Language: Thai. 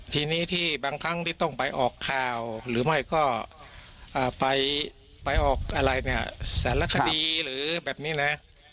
ทีนี้ที่บางครั้งที่ต้องไปออกข่าวหรือไม่ก็ไปออกอะไรเนี่ยสารคดีหรือแบบนี้นะ